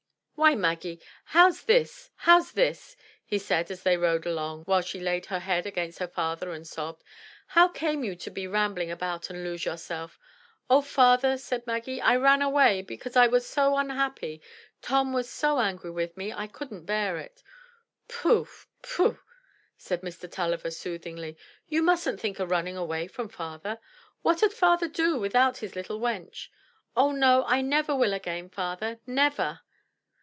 "Why Maggie, how's this, how's this?" he said as they rode along, while she laid her head against her father and sobbed. "How came you to be rambling about and lose yourself?" "Oh, father," sobbed Maggie, "I ran away because I was so unhappy; Tom was so angry with me. I couldn't bear it." "Pooh, pooh," said Mr. TuUiver, soothingly, "you mustn't think o' running away from Father. What 'ud Father do without his little wench?" "Oh no, I never will again, father— never."